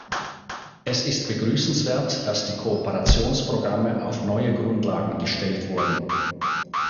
Es ist begrüßenswert, dass die Kooperationsprogramme auf neue Grundlagen gestellt wurden.